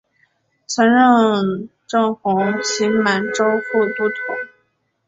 曾任正红旗满洲副都统。